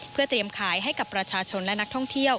เพื่อเตรียมขายให้กับประชาชนและนักท่องเที่ยว